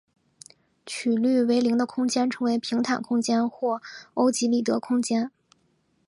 曲率为零的空间称为平坦空间或欧几里得空间。